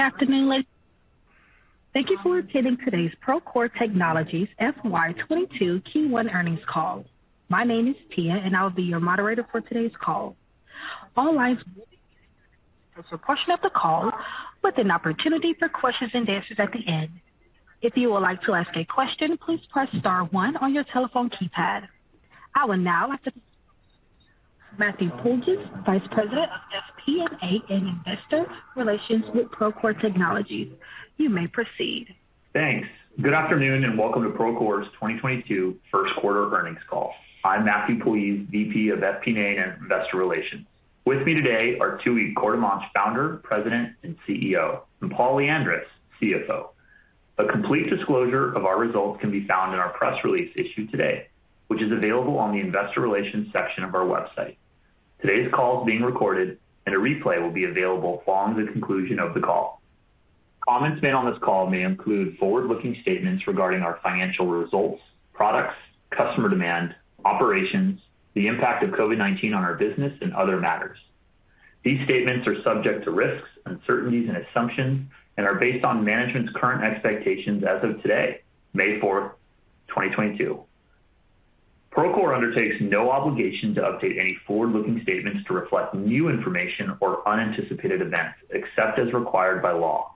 Good afternoon. Thank you for attending today's Procore Technologies FY 2022 Q1 earnings call. My name is Tia, and I'll be your moderator for today's call. All lines portion of the call with an opportunity for questions and answers at the end. If you would like to ask a question, please press star one on your telephone keypad. I will now Matthew Puljiz, Vice President of FP&A and Investor Relations with Procore Technologies. You may proceed. Thanks. Good afternoon, and welcome to Procore's 2022 first quarter earnings call. I'm Matthew Puljiz, VP of FP&A and Investor Relations. With me today are Tooey Courtemanche, Founder, President, and CEO, and Paul Lyandres, CFO. A complete disclosure of our results can be found in our press release issued today, which is available on the investor relations section of our website. Today's call is being recorded, and a replay will be available following the conclusion of the call. Comments made on this call may include forward-looking statements regarding our financial results, products, customer demand, operations, the impact of COVID-19 on our business and other matters. These statements are subject to risks, uncertainties, and assumptions, and are based on management's current expectations as of today, May 4, 2022. Procore undertakes no obligation to update any forward-looking statements to reflect new information or unanticipated events except as required by law.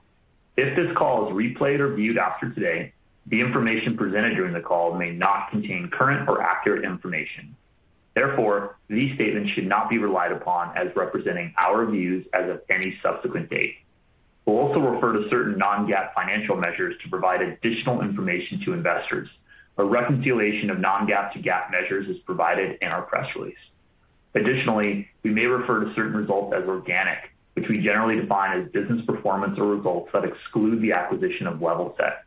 If this call is replayed or viewed after today, the information presented during the call may not contain current or accurate information. Therefore, these statements should not be relied upon as representing our views as of any subsequent date. We'll also refer to certain non-GAAP financial measures to provide additional information to investors. A reconciliation of non-GAAP to GAAP measures is provided in our press release. Additionally, we may refer to certain results as organic, which we generally define as business performance or results that exclude the acquisition of Levelset.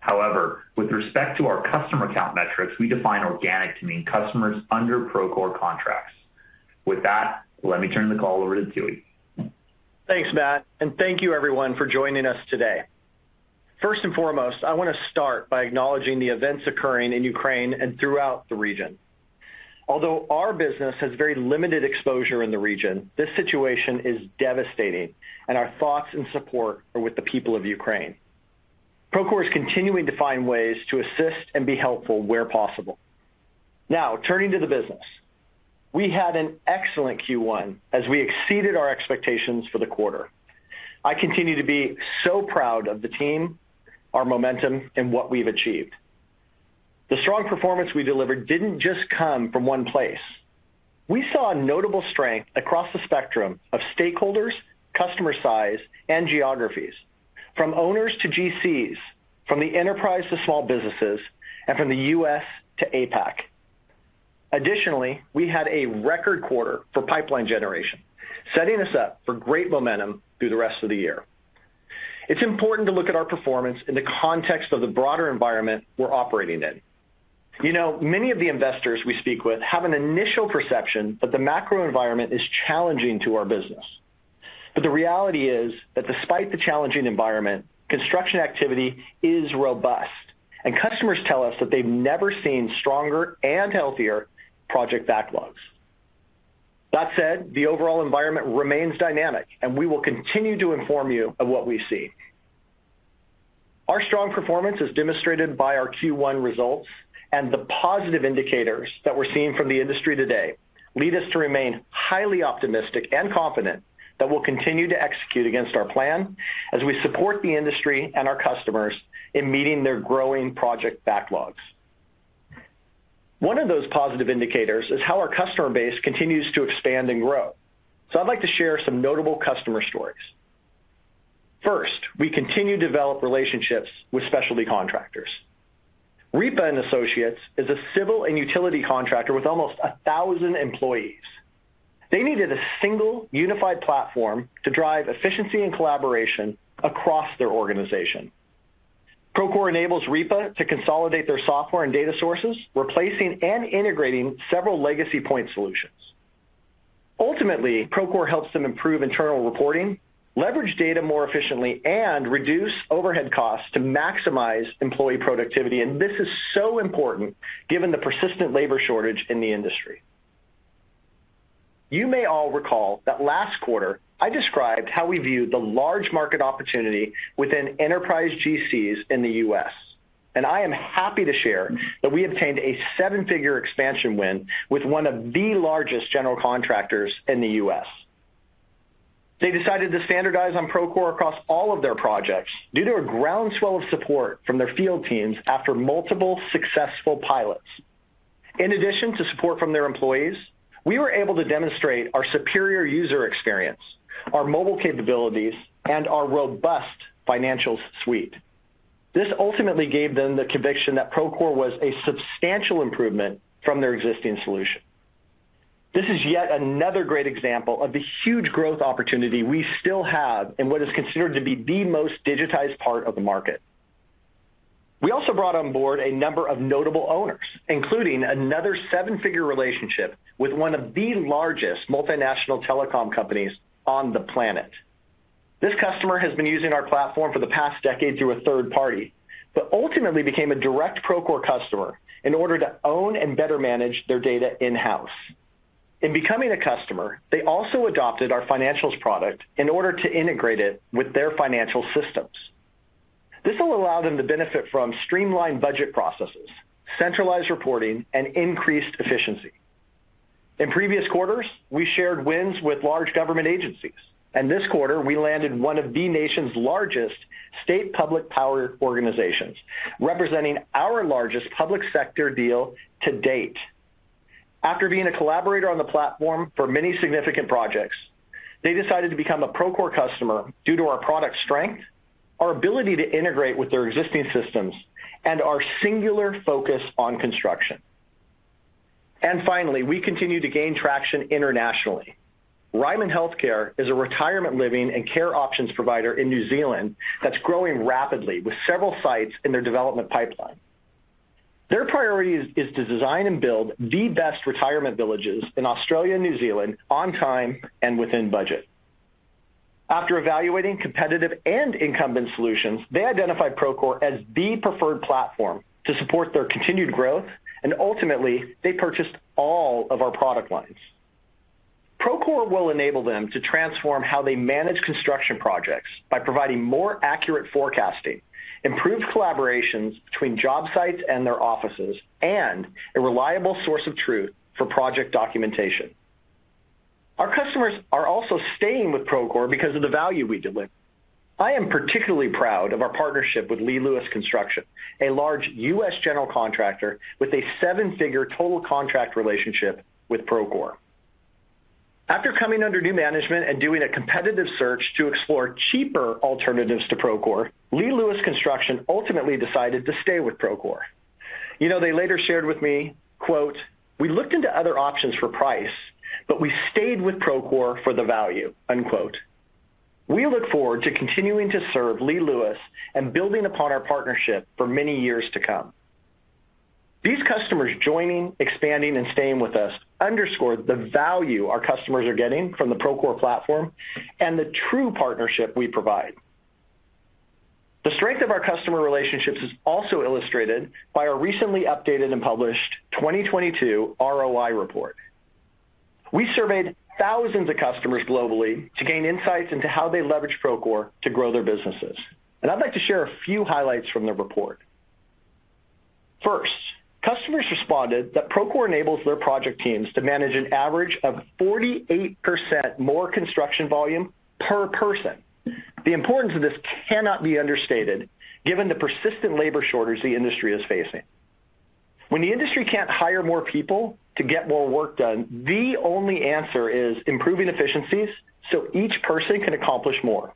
However, with respect to our customer count metrics, we define organic to mean customers under Procore contracts. With that, let me turn the call over to Tooey. Thanks, Matt, and thank you everyone for joining us today. First and foremost, I want to start by acknowledging the events occurring in Ukraine and throughout the region. Although our business has very limited exposure in the region, this situation is devastating and our thoughts and support are with the people of Ukraine. Procore is continuing to find ways to assist and be helpful where possible. Now, turning to the business. We had an excellent Q1 as we exceeded our expectations for the quarter. I continue to be so proud of the team, our momentum, and what we've achieved. The strong performance we delivered didn't just come from one place. We saw a notable strength across the spectrum of stakeholders, customer size, and geographies. From owners to GCs, from the enterprise to small businesses, and from the U.S. to APAC. Additionally, we had a record quarter for pipeline generation, setting us up for great momentum through the rest of the year. It's important to look at our performance in the context of the broader environment we're operating in. You know, many of the investors we speak with have an initial perception that the macro environment is challenging to our business. But the reality is that despite the challenging environment, construction activity is robust, and customers tell us that they've never seen stronger and healthier project backlogs. That said, the overall environment remains dynamic, and we will continue to inform you of what we see. Our strong performance is demonstrated by our Q1 results, and the positive indicators that we're seeing from the industry today lead us to remain highly optimistic and confident that we'll continue to execute against our plan as we support the industry and our customers in meeting their growing project backlogs. One of those positive indicators is how our customer base continues to expand and grow. I'd like to share some notable customer stories. First, we continue to develop relationships with specialty contractors. RIPA & Associates is a civil and utility contractor with almost 1,000 employees. They needed a single unified platform to drive efficiency and collaboration across their organization. Procore enables RIPA & Associates to consolidate their software and data sources, replacing and integrating several legacy point solutions. Ultimately, Procore helps them improve internal reporting, leverage data more efficiently, and reduce overhead costs to maximize employee productivity, and this is so important given the persistent labor shortage in the industry. You may all recall that last quarter, I described how we viewed the large market opportunity within enterprise GCs in the U.S., and I am happy to share that we obtained a seven-figure expansion win with one of the largest general contractors in the U.S. They decided to standardize on Procore across all of their projects due to a groundswell of support from their field teams after multiple successful pilots. In addition to support from their employees, we were able to demonstrate our superior user experience, our mobile capabilities, and our robust financials suite. This ultimately gave them the conviction that Procore was a substantial improvement from their existing solution. This is yet another great example of the huge growth opportunity we still have in what is considered to be the most digitized part of the market. We also brought on board a number of notable owners, including another seven-figure relationship with one of the largest multinational telecom companies on the planet. This customer has been using our platform for the past decade through a third party, but ultimately became a direct Procore customer in order to own and better manage their data in-house. In becoming a customer, they also adopted our financials product in order to integrate it with their financial systems. This will allow them to benefit from streamlined budget processes, centralized reporting, and increased efficiency. In previous quarters, we shared wins with large government agencies. This quarter, we landed one of the nation's largest state public power organizations, representing our largest public sector deal to date. After being a collaborator on the platform for many significant projects, they decided to become a Procore customer due to our product strength, our ability to integrate with their existing systems, and our singular focus on construction. Finally, we continue to gain traction internationally. Ryman Healthcare is a retirement living and care options provider in New Zealand that's growing rapidly with several sites in their development pipeline. Their priority is to design and build the best retirement villages in Australia and New Zealand on time and within budget. After evaluating competitive and incumbent solutions, they identified Procore as the preferred platform to support their continued growth, and ultimately, they purchased all of our product lines. Procore will enable them to transform how they manage construction projects by providing more accurate forecasting, improved collaborations between job sites and their offices, and a reliable source of truth for project documentation. Our customers are also staying with Procore because of the value we deliver. I am particularly proud of our partnership with Lee Lewis Construction, a large U.S. general contractor with a seven-figure total contract relationship with Procore. After coming under new management and doing a competitive search to explore cheaper alternatives to Procore, Lee Lewis Construction ultimately decided to stay with Procore. You know, they later shared with me, quote, "We looked into other options for price, but we stayed with Procore for the value," unquote. We look forward to continuing to serve Lee Lewis and building upon our partnership for many years to come. These customers joining, expanding, and staying with us underscore the value our customers are getting from the Procore platform and the true partnership we provide. The strength of our customer relationships is also illustrated by our recently updated and published 2022 ROI report. We surveyed thousands of customers globally to gain insights into how they leverage Procore to grow their businesses. I'd like to share a few highlights from the report. First, customers responded that Procore enables their project teams to manage an average of 48% more construction volume per person. The importance of this cannot be understated given the persistent labor shortage the industry is facing. When the industry can't hire more people to get more work done, the only answer is improving efficiencies so each person can accomplish more.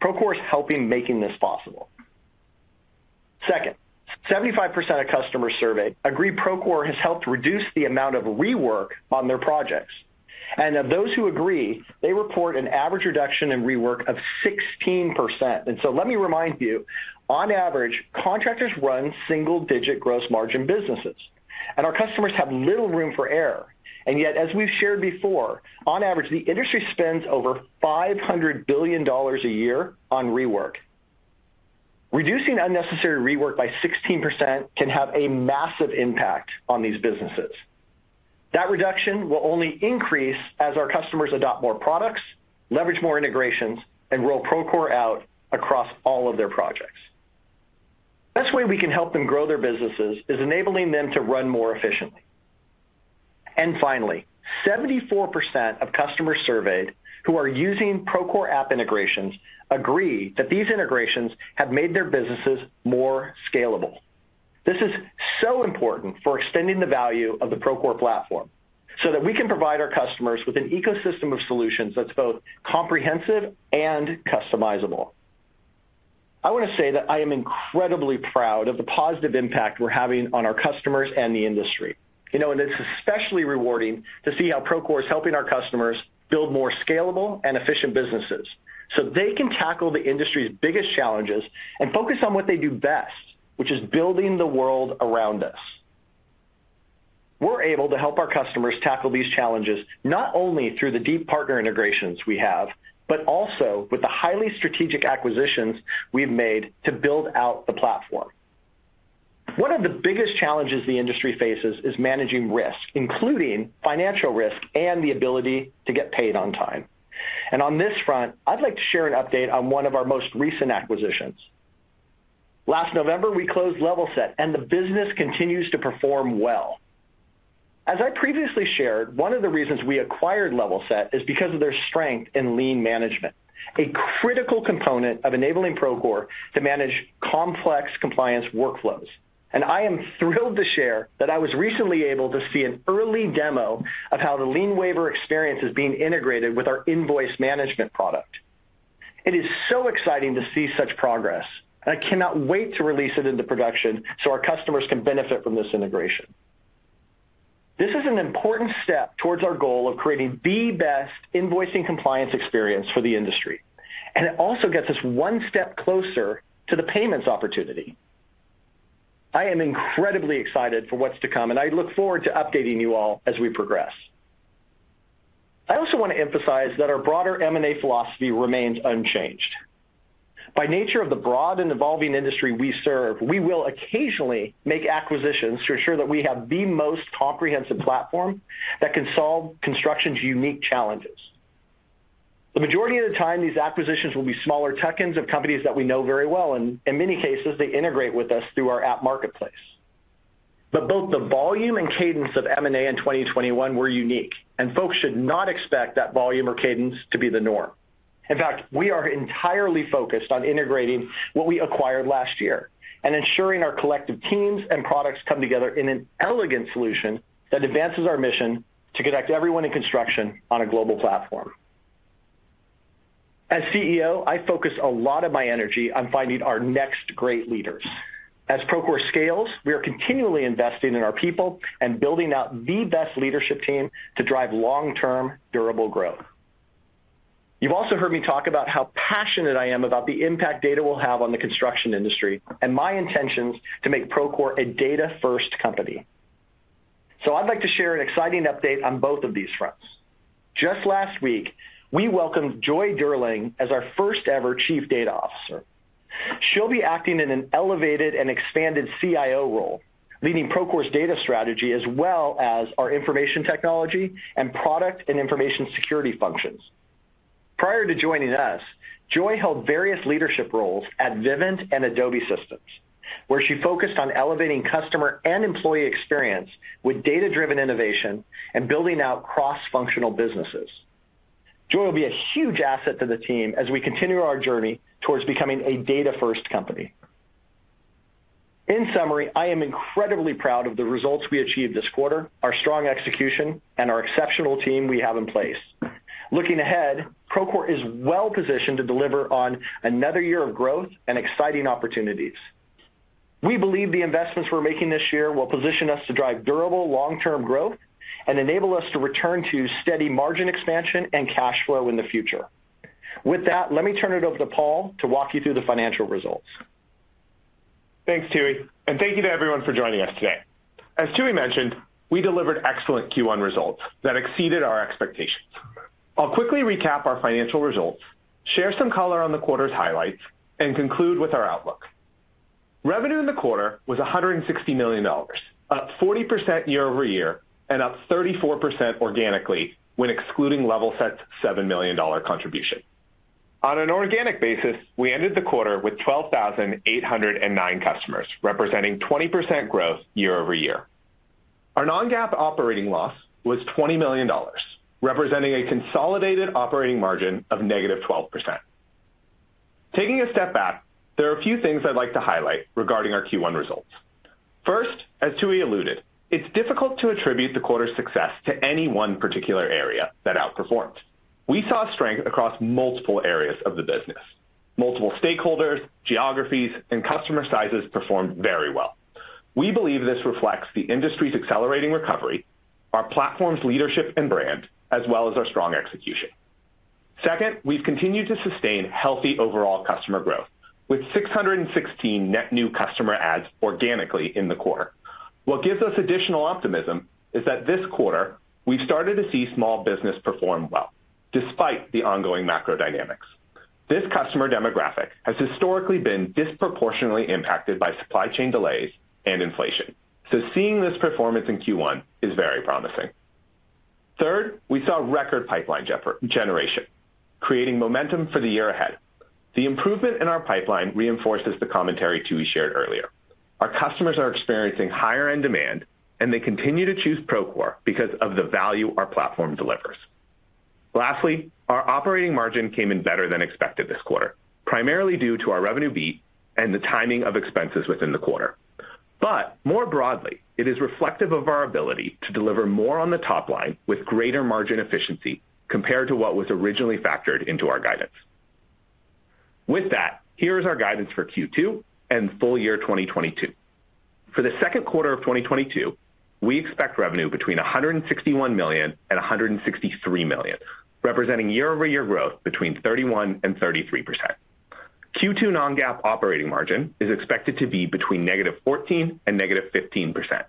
Procore is helping making this possible. Second, 75% of customers surveyed agree Procore has helped reduce the amount of rework on their projects. Of those who agree, they report an average reduction in rework of 16%. Let me remind you, on average, contractors run single-digit gross margin businesses, and our customers have little room for error. As we've shared before, on average, the industry spends over $500 billion a year on rework. Reducing unnecessary rework by 16% can have a massive impact on these businesses. That reduction will only increase as our customers adopt more products, leverage more integrations, and roll Procore out across all of their projects. Best way we can help them grow their businesses is enabling them to run more efficiently. 74% of customers surveyed who are using Procore app integrations agree that these integrations have made their businesses more scalable. This is so important for extending the value of the Procore platform so that we can provide our customers with an ecosystem of solutions that's both comprehensive and customizable. I wanna say that I am incredibly proud of the positive impact we're having on our customers and the industry. You know, it's especially rewarding to see how Procore is helping our customers build more scalable and efficient businesses, so they can tackle the industry's biggest challenges and focus on what they do best, which is building the world around us. We're able to help our customers tackle these challenges, not only through the deep partner integrations we have, but also with the highly strategic acquisitions we've made to build out the platform. One of the biggest challenges the industry faces is managing risk, including financial risk and the ability to get paid on time. On this front, I'd like to share an update on one of our most recent acquisitions. Last November, we closed Levelset, and the business continues to perform well. As I previously shared, one of the reasons we acquired Levelset is because of their strength in lien management, a critical component of enabling Procore to manage complex compliance workflows. I am thrilled to share that I was recently able to see an early demo of how the lien waiver experience is being integrated with our invoice management product. It is so exciting to see such progress, and I cannot wait to release it into production so our customers can benefit from this integration. This is an important step towards our goal of creating the best invoicing compliance experience for the industry, and it also gets us one step closer to the payments opportunity. I am incredibly excited for what's to come, and I look forward to updating you all as we progress. I also want to emphasize that our broader M&A philosophy remains unchanged. By nature of the broad and evolving industry we serve, we will occasionally make acquisitions to ensure that we have the most comprehensive platform that can solve construction's unique challenges. The majority of the time, these acquisitions will be smaller tuck-ins of companies that we know very well, and in many cases, they integrate with us through our app marketplace. Both the volume and cadence of M&A in 2021 were unique, and folks should not expect that volume or cadence to be the norm. In fact, we are entirely focused on integrating what we acquired last year and ensuring our collective teams and products come together in an elegant solution that advances our mission to connect everyone in construction on a global platform. As CEO, I focus a lot of my energy on finding our next great leaders. As Procore scales, we are continually investing in our people and building out the best leadership team to drive long-term durable growth. You've also heard me talk about how passionate I am about the impact data will have on the construction industry and my intentions to make Procore a data-first company. I'd like to share an exciting update on both of these fronts. Just last week, we welcomed Joy Durling as our first-ever Chief Data Officer. She'll be acting in an elevated and expanded CIO role, leading Procore's data strategy as well as our information technology and product and information security functions. Prior to joining us, Joy held various leadership roles at Vivint and Adobe Systems, where she focused on elevating customer and employee experience with data-driven innovation and building out cross-functional businesses. Joy will be a huge asset to the team as we continue our journey towards becoming a data-first company. In summary, I am incredibly proud of the results we achieved this quarter, our strong execution, and our exceptional team we have in place. Looking ahead, Procore is well-positioned to deliver on another year of growth and exciting opportunities. We believe the investments we're making this year will position us to drive durable long-term growth and enable us to return to steady margin expansion and cash flow in the future. With that, let me turn it over to Paul to walk you through the financial results. Thanks, Tooey, and thank you to everyone for joining us today. As Tooey mentioned, we delivered excellent Q1 results that exceeded our expectations. I'll quickly recap our financial results, share some color on the quarter's highlights, and conclude with our outlook. Revenue in the quarter was $160 million, up 40% year-over-year, and up 34% organically when excluding Levelset's $7 million contribution. On an organic basis, we ended the quarter with 12,809 customers, representing 20% growth year-over-year. Our non-GAAP operating loss was $20 million, representing a consolidated operating margin of -12%. Taking a step back, there are a few things I'd like to highlight regarding our Q1 results. First, as Tooey alluded, it's difficult to attribute the quarter's success to any one particular area that outperformed. We saw strength across multiple areas of the business. Multiple stakeholders, geographies, and customer sizes performed very well. We believe this reflects the industry's accelerating recovery, our platform's leadership and brand, as well as our strong execution. Second, we've continued to sustain healthy overall customer growth with 616 net new customer adds organically in the quarter. What gives us additional optimism is that this quarter we've started to see small business perform well despite the ongoing macro dynamics. This customer demographic has historically been disproportionately impacted by supply chain delays and inflation. Seeing this performance in Q1 is very promising. Third, we saw record pipeline generation creating momentum for the year ahead. The improvement in our pipeline reinforces the commentary Tooey shared earlier. Our customers are experiencing higher-end demand, and they continue to choose Procore because of the value our platform delivers. Lastly, our operating margin came in better than expected this quarter, primarily due to our revenue beat and the timing of expenses within the quarter. More broadly, it is reflective of our ability to deliver more on the top line with greater margin efficiency compared to what was originally factored into our guidance. With that, here's our guidance for Q2 and full year 2022. For the second quarter of 2022, we expect revenue between $161 million and $163 million, representing year-over-year growth between 31% and 33%. Q2 non-GAAP operating margin is expected to be between -14% and -15%.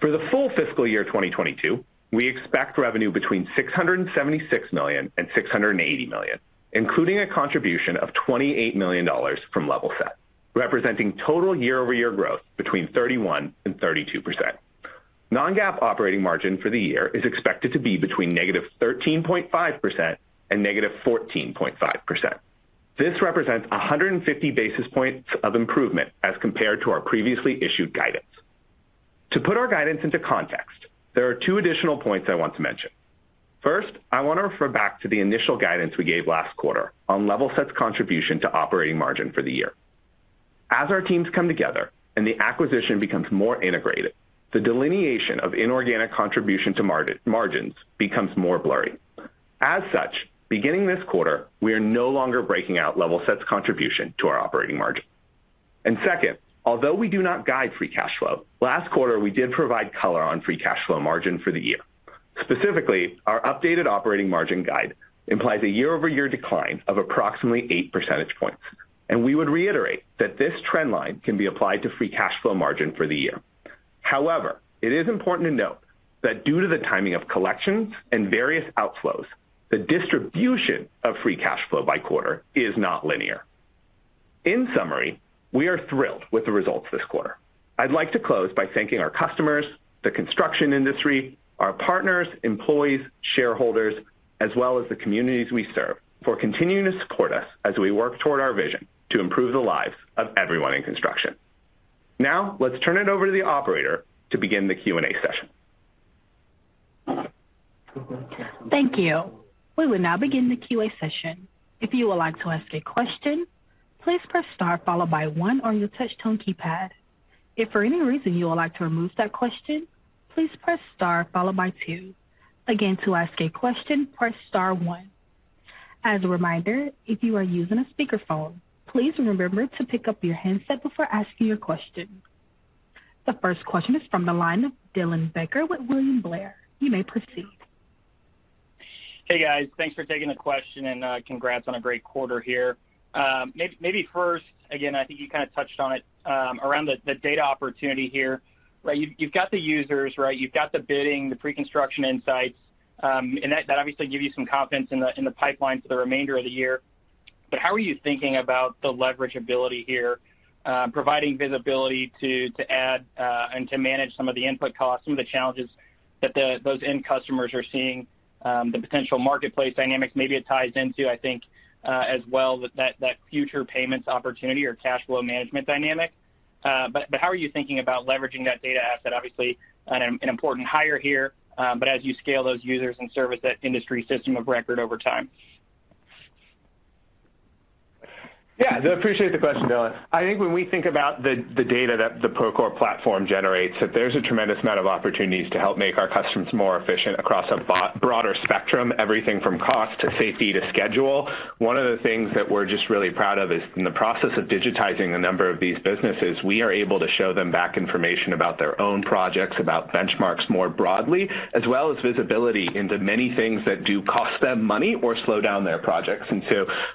For the full fiscal year 2022, we expect revenue between $676 million and $680 million, including a contribution of $28 million from Levelset, representing total year-over-year growth between 31% and 32%. Non-GAAP operating margin for the year is expected to be between -13.5% and -14.5%. This represents 150 basis points of improvement as compared to our previously issued guidance. To put our guidance into context, there are two additional points I want to mention. First, I want to refer back to the initial guidance we gave last quarter on Levelset's contribution to operating margin for the year. As our teams come together and the acquisition becomes more integrated, the delineation of inorganic contribution to margins becomes more blurry. As such, beginning this quarter, we are no longer breaking out Levelset's contribution to our operating margin. Second, although we do not guide free cash flow, last quarter, we did provide color on free cash flow margin for the year. Specifically, our updated operating margin guide implies a year-over-year decline of approximately eight percentage points, and we would reiterate that this trend line can be applied to free cash flow margin for the year. However, it is important to note that due to the timing of collections and various outflows, the distribution of free cash flow by quarter is not linear. In summary, we are thrilled with the results this quarter. I'd like to close by thanking our customers, the construction industry, our partners, employees, shareholders, as well as the communities we serve for continuing to support us as we work toward our vision to improve the lives of everyone in construction. Now, let's turn it over to the operator to begin the Q&A session. Thank you. We will now begin the QA session. If you would like to ask a question, please press star followed by one on your touch tone keypad. If for any reason you would like to remove that question, please press star followed by two. Again, to ask a question, press star one. As a reminder, if you are using a speakerphone, please remember to pick up your handset before asking your question. The first question is from the line of Dylan Becker with William Blair. You may proceed. Hey, guys. Thanks for taking the question and, congrats on a great quarter here. Maybe first, again, I think you kinda touched on it, around the data opportunity here, right? You've got the users, right? You've got the bidding, the preconstruction insights, and that obviously give you some confidence in the pipeline for the remainder of the year. How are you thinking about the leverage ability here, providing visibility to add and to manage some of the input costs, some of the challenges that those end customers are seeing, the potential marketplace dynamics maybe it ties into, I think, as well with that future payments opportunity or cash flow management dynamic. How are you thinking about leveraging that data asset, obviously an important hire here, but as you scale those users and service that industry system of record over time? Yeah. I appreciate the question, Dylan. I think when we think about the data that the Procore platform generates, that there's a tremendous amount of opportunities to help make our customers more efficient across a broader spectrum, everything from cost to safety to schedule. One of the things that we're just really proud of is in the process of digitizing a number of these businesses, we are able to show them back information about their own projects, about benchmarks more broadly, as well as visibility into many things that do cost them money or slow down their projects.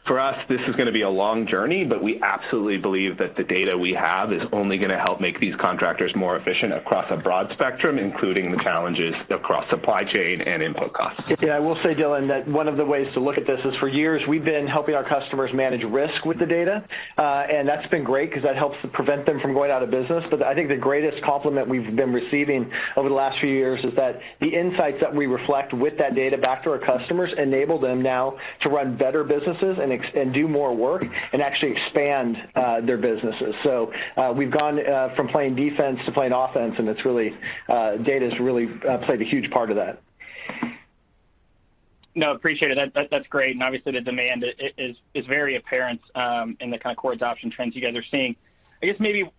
For us, this is gonna be a long journey, but we absolutely believe that the data we have is only gonna help make these contractors more efficient across a broad spectrum, including the challenges across supply chain and input costs. Yeah, I will say, Dylan, that one of the ways to look at this is for years, we've been helping our customers manage risk with the data, and that's been great 'cause that helps to prevent them from going out of business. But I think the greatest compliment we've been receiving over the last few years is that the insights that we reflect with that data back to our customers enable them now to run better businesses and do more work and actually expand their businesses. We've gone from playing defense to playing offense, and it's really, data's really, played a huge part of that. No, appreciate it. That's great. Obviously the demand is very apparent in the kind of core adoption trends you guys are seeing. I guess maybe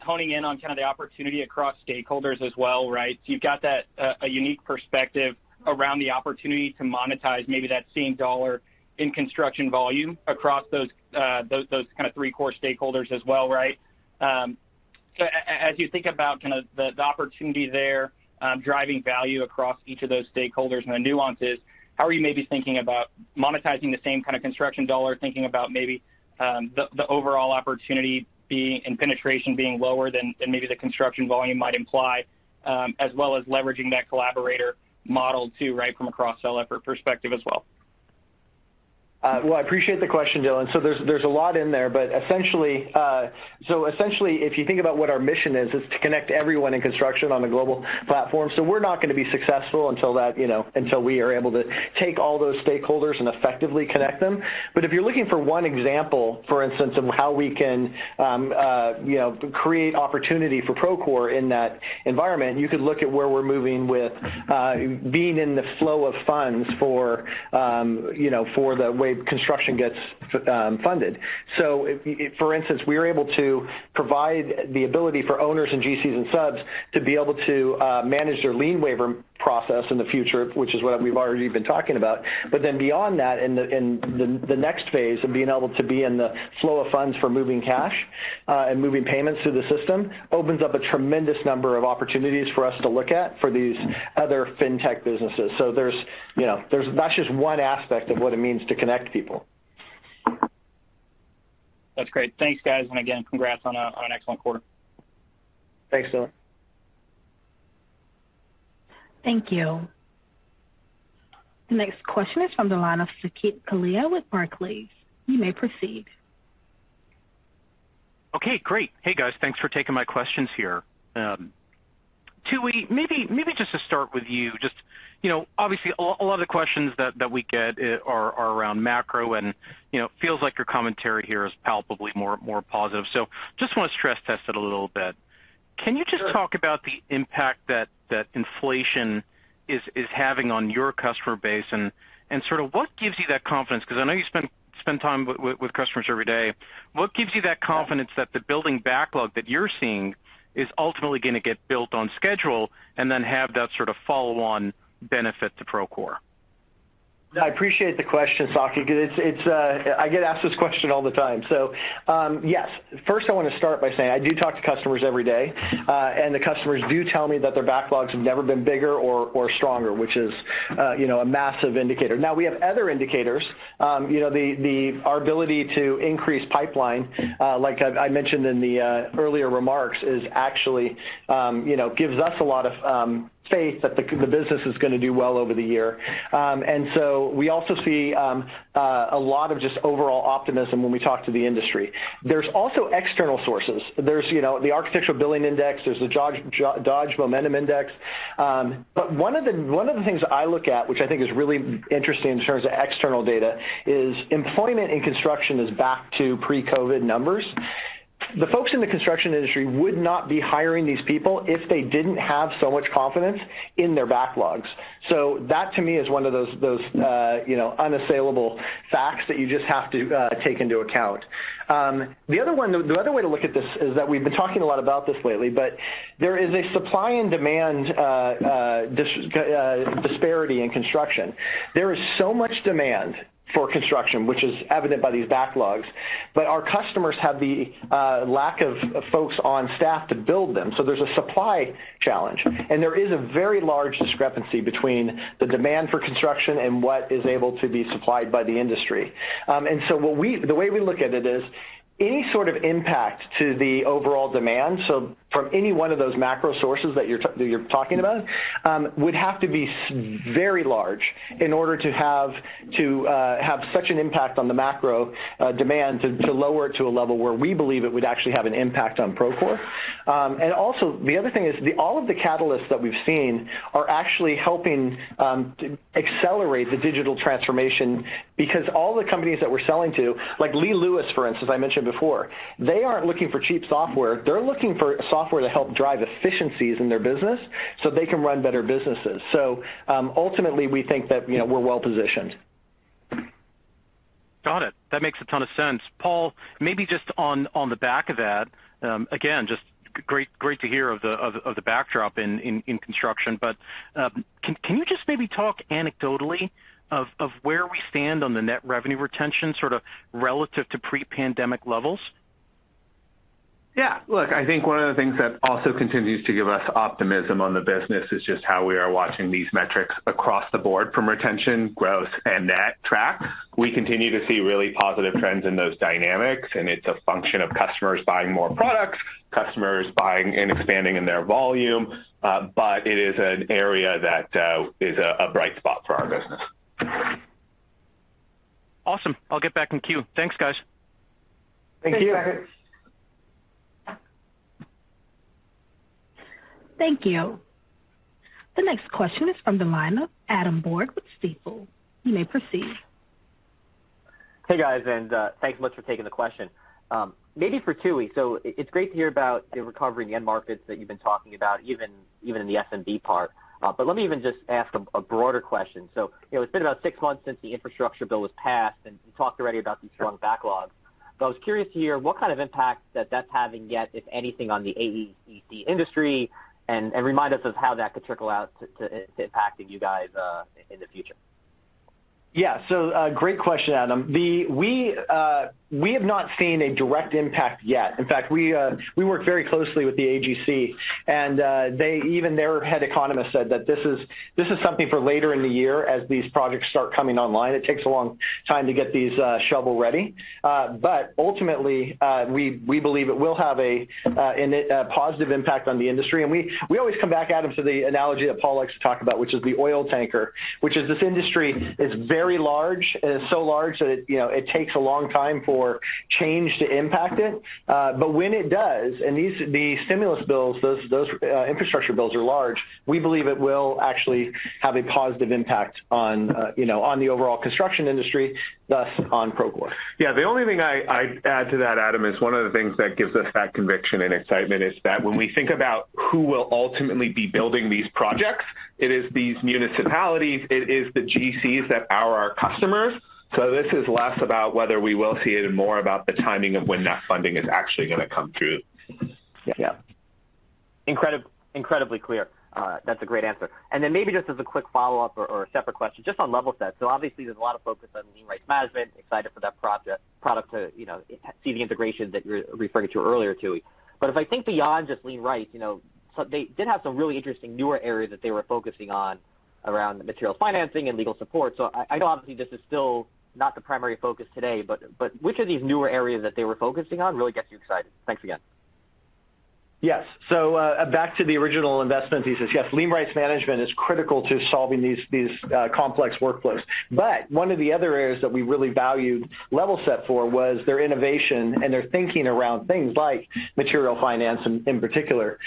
honing in on kind of the opportunity across stakeholders as well, right? You've got that a unique perspective around the opportunity to monetize maybe that same dollar in construction volume across those kind of three core stakeholders as well, right? As you think about kinda the opportunity there driving value across each of those stakeholders and the nuances, how are you maybe thinking about monetizing the same kind of construction dollar, thinking about maybe the overall opportunity being and penetration being lower than maybe the construction volume might imply as well as leveraging that collaborator model too, right from a cross-sell effort perspective as well? Well, I appreciate the question, Dylan. There's a lot in there, but essentially if you think about what our mission is, it's to connect everyone in construction on a global platform. We're not gonna be successful until we are able to take all those stakeholders and effectively connect them. If you're looking for one example, for instance, on how we can, you know, create opportunity for Procore in that environment, you could look at where we're moving with being in the flow of funds for, you know, for the way construction gets funded. If, for instance, we are able to provide the ability for owners and GCs and subs to be able to manage their lien waiver process in the future, which is what we've already been talking about. Beyond that, the next phase of being able to be in the flow of funds for moving cash and moving payments through the system opens up a tremendous number of opportunities for us to look at for these other fintech businesses. There's, you know, that's just one aspect of what it means to connect people. That's great. Thanks, guys. Again, congrats on an excellent quarter. Thanks, Dylan. Thank you. The next question is from the line of Saket Kalia with Barclays. You may proceed. Okay, great. Hey, guys, thanks for taking my questions here. Tooey, maybe just to start with you know, obviously a lot of the questions that we get are around macro and, you know, feels like your commentary here is palpably more positive. Just wanna stress test it a little bit. Can you just talk about the impact that inflation is having on your customer base and sort of what gives you that confidence? 'Cause I know you spend time with customers every day. What gives you that confidence that the building backlog that you're seeing is ultimately gonna get built on schedule and then have that sort of follow-on benefit to Procore? I appreciate the question, Saket, 'cause it's. I get asked this question all the time. Yes. First, I wanna start by saying I do talk to customers every day, and the customers do tell me that their backlogs have never been bigger or stronger, which is, you know, a massive indicator. Now we have other indicators. Our ability to increase pipeline, like I mentioned in the earlier remarks is actually gives us a lot of faith that the business is gonna do well over the year. We also see a lot of just overall optimism when we talk to the industry. There's also external sources. There's the Architecture Billings Index. There's the Dodge Momentum Index. One of the things I look at, which I think is really interesting in terms of external data, is employment in construction is back to pre-COVID numbers. The folks in the construction industry would not be hiring these people if they didn't have so much confidence in their backlogs. That to me is one of those, you know, unassailable facts that you just have to take into account. The other one though, the other way to look at this is that we've been talking a lot about this lately, but there is a supply and demand disparity in construction. There is so much demand for construction, which is evident by these backlogs, but our customers have the lack of folks on staff to build them. There's a supply challenge, and there is a very large discrepancy between the demand for construction and what is able to be supplied by the industry. The way we look at it is any sort of impact to the overall demand, so from any one of those macro sources that you're talking about, would have to be very large in order to have such an impact on the macro demand to lower it to a level where we believe it would actually have an impact on Procore. And also the other thing is all of the catalysts that we've seen are actually helping accelerate the digital transformation because all the companies that we're selling to, like Lee Lewis for instance, I mentioned before, they aren't looking for cheap software. They're looking for software to help drive efficiencies in their business so they can run better businesses. Ultimately we think that, you know, we're well-positioned. Got it. That makes a ton of sense. Paul, maybe just on the back of that, again, just great to hear of the backdrop in construction. Can you just maybe talk anecdotally of where we stand on the net revenue retention, sort of relative to pre-pandemic levels? Yeah. Look, I think one of the things that also continues to give us optimism on the business is just how we are watching these metrics across the board from retention, growth and net track. We continue to see really positive trends in those dynamics, and it's a function of customers buying more products, customers buying and expanding in their volume. It is an area that is a bright spot for our business. Awesome. I'll get back in queue. Thanks, guys. Thank you. Thanks, Adam. Thank you. The next question is from the line of Adam Borg with Stifel. You may proceed. Hey guys, thanks so much for taking the question. Maybe for Tooey. It's great to hear about the recovery in the end markets that you've been talking about, even in the SMB part. Let me even just ask a broader question. You know, it's been about six months since the infrastructure bill was passed, and you talked already about these strong backlogs. I was curious to hear what kind of impact that's having yet, if anything, on the AEC industry, and remind us of how that could trickle out to impacting you guys in the future. Yeah. Great question, Adam. We have not seen a direct impact yet. In fact, we work very closely with the AGC and they, even their head economist said that this is something for later in the year as these projects start coming online. It takes a long time to get these shovel-ready. Ultimately, we believe it will have a positive impact on the industry. We always come back, Adam, to the analogy that Paul likes to talk about, which is the oil tanker, which is this industry is very large, it is so large that it, you know, it takes a long time for change to impact it. when it does, and these stimulus bills, those infrastructure bills are large, we believe it will actually have a positive impact on, you know, on the overall construction industry, thus on Procore. Yeah. The only thing I'd add to that, Adam, is one of the things that gives us that conviction and excitement is that when we think about who will ultimately be building these projects, it is these municipalities, it is the GCs that are our customers. So, this is less about whether we will see it and more about the timing of when that funding is actually gonna come through. Yeah. Incredibly clear. That's a great answer. Then maybe just as a quick follow-up or a separate question, just on Levelset. Obviously there's a lot of focus on lien rights management, excited for that product to, you know, see the integration that you're referring to earlier, Tooey. If I think beyond just lien rights, you know, so they did have some really interesting newer areas that they were focusing on around materials financing and legal support. I know obviously this is still not the primary focus today, but which of these newer areas that they were focusing on really gets you excited? Thanks again. Yes. Back to the original investment thesis. Yes, lien rights management is critical to solving these complex workflows. One of the other areas that we really valued Levelset for was their innovation and their thinking around things like material finance in particular.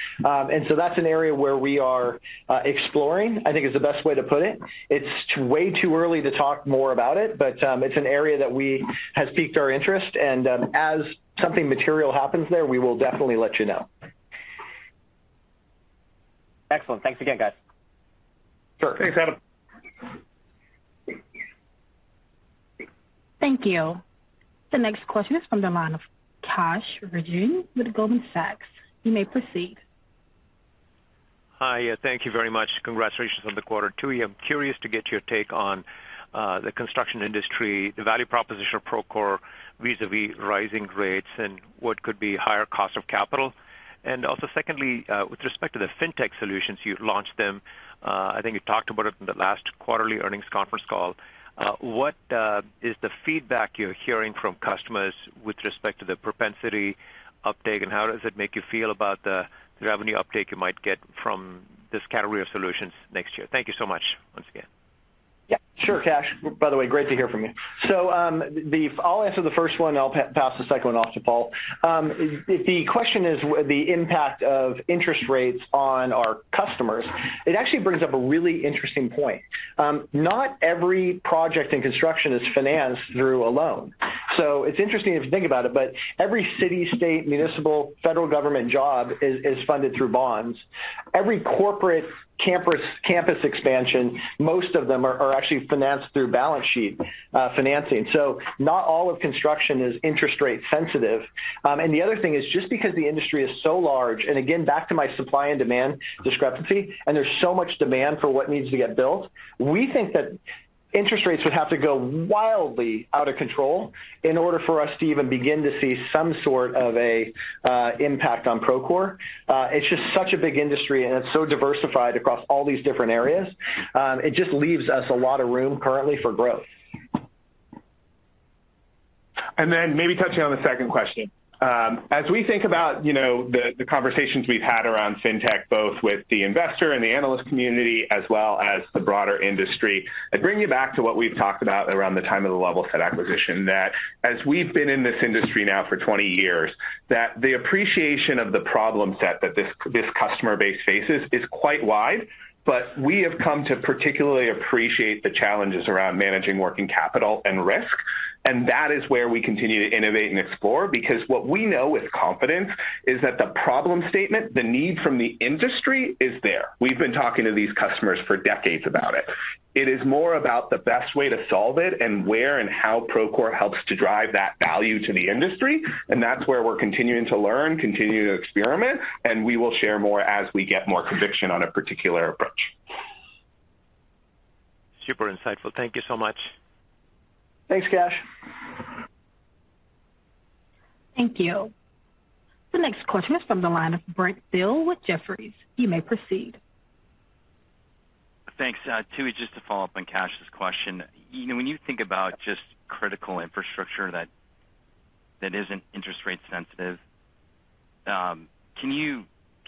That's an area where we are exploring, I think is the best way to put it. It's way too early to talk more about it, but it's an area that has piqued our interest, and as something material happens there, we will definitely let you know. Excellent. Thanks again, guys. Sure. Thanks, Adam. Thank you. The next question is from the line of Kash Rangan with Goldman Sachs. You may proceed. Hi. Thank you very much. Congratulations on the quarter, Tooey. I'm curious to get your take on the construction industry, the value proposition of Procore vis-à-vis rising rates and what could be higher cost of capital. Also secondly, with respect to the fintech solutions, you've launched them. I think you talked about it in the last quarterly earnings conference call. What is the feedback you're hearing from customers with respect to the propensity uptake, and how does it make you feel about the revenue uptake you might get from this category of solutions next year? Thank you so much once again. Yeah. Sure, Kash. By the way, great to hear from you. I'll answer the first one, I'll pass the second one off to Paul. If the question is the impact of interest rates on our customers, it actually brings up a really interesting point. Not every project in construction is financed through a loan. It's interesting if you think about it, but every city, state, municipal, federal government job is funded through bonds. Every corporate campus expansion, most of them are actually financed through balance sheet financing. Not all of construction is interest rate sensitive. The other thing is just because the industry is so large, and again, back to my supply and demand discrepancy, and there's so much demand for what needs to get built, we think that interest rates would have to go wildly out of control in order for us to even begin to see some sort of impact on Procore. It's just such a big industry, and it's so diversified across all these different areas. It just leaves us a lot of room currently for growth. Maybe touching on the second question. As we think about, you know, the conversations we've had around fintech, both with the investor and the analyst community as well as the broader industry, I'd bring you back to what we've talked about around the time of the Levelset acquisition, that as we've been in this industry now for 20 years, that the appreciation of the problem set that this customer base faces is quite wide. We have come to particularly appreciate the challenges around managing working capital and risk, and that is where we continue to innovate and explore. Because what we know with confidence is that the problem statement, the need from the industry is there. We've been talking to these customers for decades about it. It is more about the best way to solve it and where and how Procore helps to drive that value to the industry, and that's where we're continuing to learn, continuing to experiment, and we will share more as we get more conviction on a particular approach. Super insightful. Thank you so much. Thanks, Kash. Thank you. The next question is from the line of Brent Thill with Jefferies. You may proceed. Thanks. Tooey, just to follow up on Kash's question. You know, when you think about just critical infrastructure that isn't interest rate sensitive, can you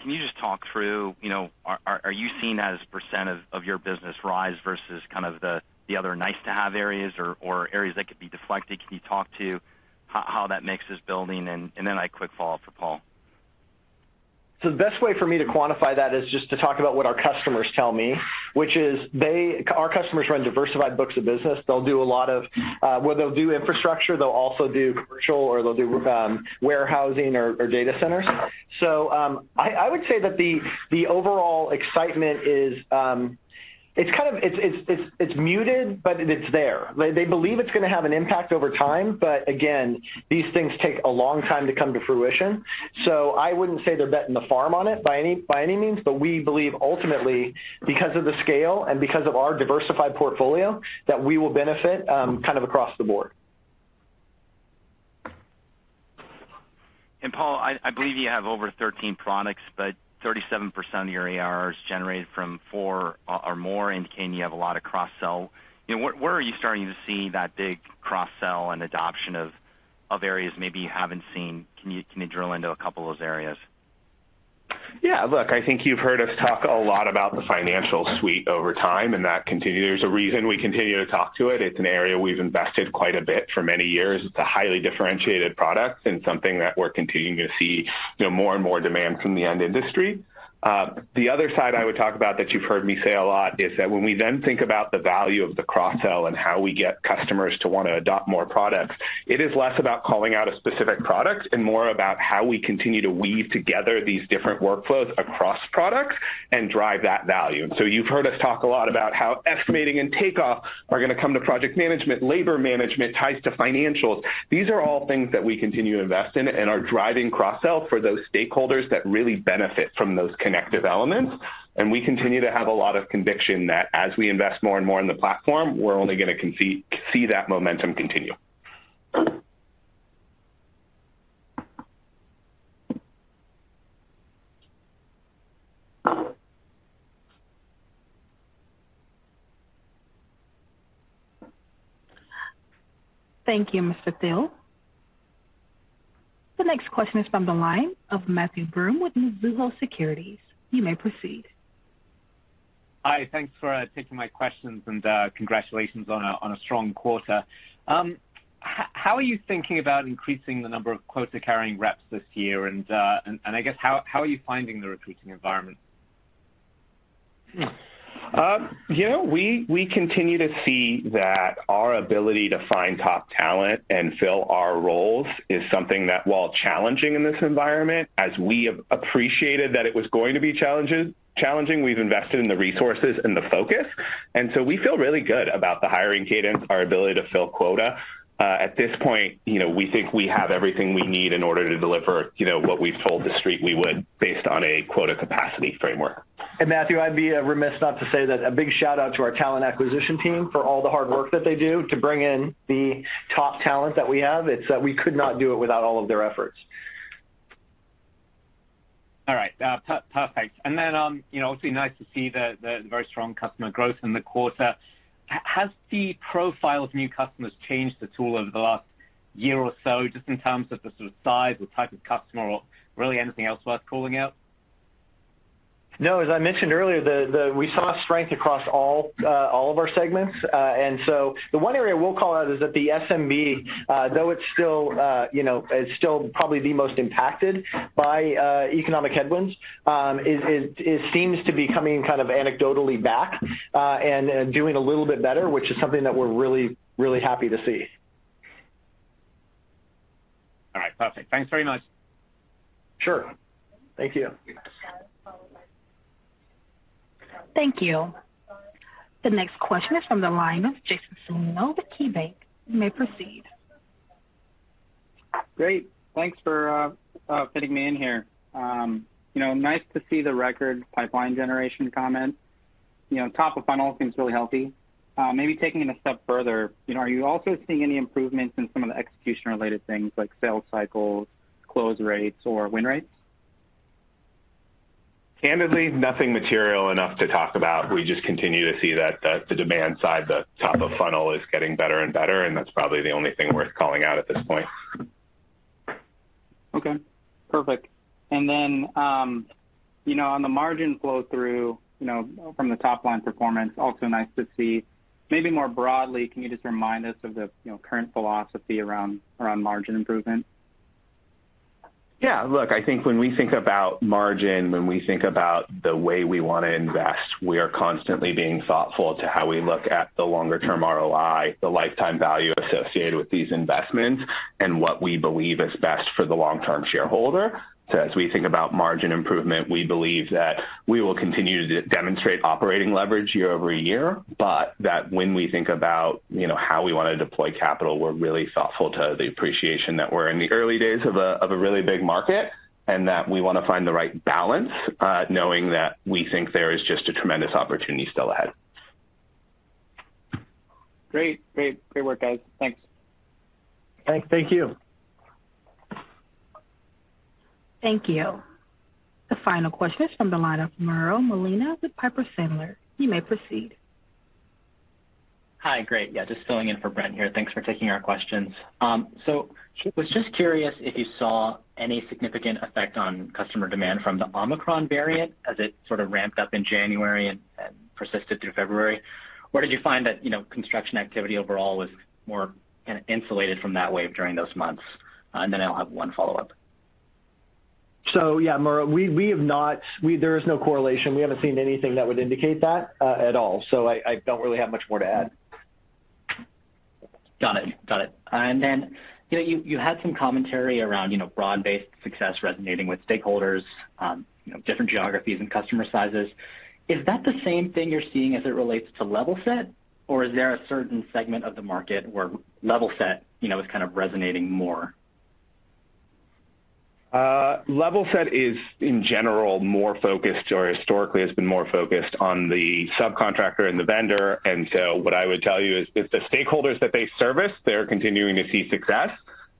just talk through, you know, are you seeing that as percent of your business rise versus kind of the other nice-to-have areas or areas that could be deflected? Can you talk to how that mix is building? Then a quick follow-up for Paul. The best way for me to quantify that is just to talk about what our customers tell me, which is they. Our customers run diversified books of business. They'll do a lot of where they'll do infrastructure, they'll also do commercial, or they'll do warehousing or data centers. I would say that the overall excitement is, it's kind of muted, but it's there. They believe it's gonna have an impact over time, but again, these things take a long time to come to fruition. I wouldn't say they're betting the farm on it by any means. But we believe ultimately, because of the scale and because of our diversified portfolio, that we will benefit kind of across the board. Paul, I believe you have over 13 products, but 37% of your ARR is generated from four or more, indicating you have a lot of cross-sell. You know, where are you starting to see that big cross-sell and adoption of areas maybe you haven't seen? Can you drill into a couple of those areas? Yeah. Look, I think you've heard us talk a lot about the financial suite over time, and that continues. There's a reason we continue to talk to it. It's an area we've invested quite a bit for many years. It's a highly differentiated product and something that we're continuing to see, you know, more and more demand from the end industry. The other side I would talk about that you've heard me say a lot is that when we then think about the value of the cross-sell and how we get customers to wanna adopt more products, it is less about calling out a specific product and more about how we continue to weave together these different workflows across products and drive that value. You've heard us talk a lot about how estimating and takeoff are gonna come to project management, labor management ties to financials. These are all things that we continue to invest in and are driving cross-sell for those stakeholders that really benefit from those connective elements. We continue to have a lot of conviction that as we invest more and more in the platform, we're only gonna see that momentum continue. Thank you, Mr. Thill. The next question is from the line of Matthew Broome with Mizuho Securities. You may proceed. Hi. Thanks for taking my questions, and congratulations on a strong quarter. How are you thinking about increasing the number of quota-carrying reps this year? I guess how are you finding the recruiting environment? You know, we continue to see that our ability to find top talent and fill our roles is something that, while challenging in this environment, as we have appreciated that it was going to be challenging, we've invested in the resources and the focus. At this point, you know, we think we have everything we need in order to deliver, you know, what we've told the Street we would based on a quota capacity framework. Matthew, I'd be remiss not to say that a big shout-out to our talent acquisition team for all the hard work that they do to bring in the top talent that we have. It's, we could not do it without all of their efforts. All right. Perfect. Then, you know, obviously nice to see the very strong customer growth in the quarter. Has the profile of new customers changed at all over the last year or so, just in terms of the sort of size or type of customer or really anything else worth calling out? No, as I mentioned earlier, we saw strength across all of our segments. The one area we'll call out is that the SMB, though it's still, you know, is still probably the most impacted by economic headwinds, it seems to be coming kind of anecdotally back, and doing a little bit better, which is something that we're really happy to see. All right. Perfect. Thanks very much. Sure. Thank you. Thank you. The next question is from the line of Jason Celino with KeyBanc. You may proceed. Great. Thanks for fitting me in here. You know, nice to see the record pipeline generation comment. You know, top of funnel seems really healthy. Maybe taking it a step further, you know, are you also seeing any improvements in some of the execution-related things like sales cycles, close rates, or win rates? Candidly, nothing material enough to talk about. We just continue to see that the demand side, the top of funnel is getting better and better, and that's probably the only thing worth calling out at this point. Okay. Perfect. Then, you know, on the margin flow through, you know, from the top-line performance, also nice to see. Maybe more broadly, can you just remind us of the, you know, current philosophy around margin improvement? Yeah. Look, I think when we think about margin, when we think about the way we wanna invest, we are constantly being thoughtful to how we look at the longer-term ROI, the lifetime value associated with these investments, and what we believe is best for the long-term shareholder. As we think about margin improvement, we believe that we will continue to demonstrate operating leverage year-over-year, but that when we think about, you know, how we wanna deploy capital, we're really thoughtful to the appreciation that we're in the early days of a really big market, and that we wanna find the right balance, knowing that we think there is just a tremendous opportunity still ahead. Great work, guys. Thanks. Thank you. Thank you. The final question is from the line of Mario Molina with Piper Sandler. You may proceed. Hi. Great. Yeah, just filling in for Brent here. Thanks for taking our questions. Was just curious if you saw any significant effect on customer demand from the Omicron variant as it sort of ramped up in January and persisted through February. Did you find that, you know, construction activity overall was more kinda insulated from that wave during those months? I'll have one follow-up. Yeah, Mauro, we have not. There is no correlation. We haven't seen anything that would indicate that at all. I don't really have much more to add. Got it. You know, you had some commentary around, you know, broad-based success resonating with stakeholders, you know, different geographies and customer sizes. Is that the same thing you're seeing as it relates to Levelset, or is there a certain segment of the market where Levelset, you know, is kind of resonating more? Levelset is, in general, more focused, or historically has been more focused on the subcontractor and the vendor. What I would tell you is the stakeholders that they service, they're continuing to see success,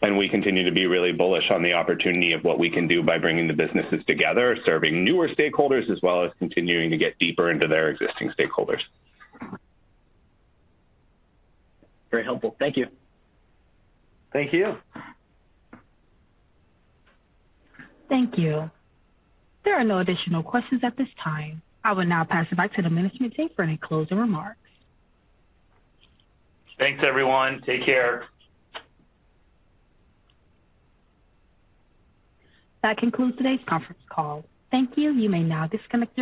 and we continue to be really bullish on the opportunity of what we can do by bringing the businesses together, serving newer stakeholders, as well as continuing to get deeper into their existing stakeholders. Very helpful. Thank you. Thank you. Thank you. There are no additional questions at this time. I will now pass it back to the management team for any closing remarks. Thanks, everyone. Take care. That concludes today's conference call. Thank you. You may now disconnect your phone.